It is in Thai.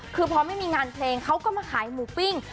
คือพอไม่มีงานเพลงเขาก็มาขายหมูปิ้ง